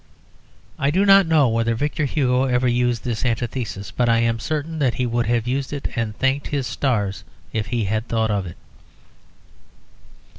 I do not know whether Victor Hugo ever used this antithesis; but I am certain that he would have used it and thanked his stars if he had thought of it.